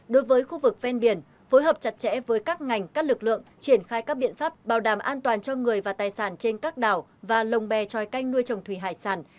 ba đối với khu vực ven biển phối hợp chặt chẽ với các ngành các lực lượng triển khai các biện pháp bảo đảm an toàn cho người và tài sản trên các đảo và lồng bè tròi canh nuôi trồng thủy hải sản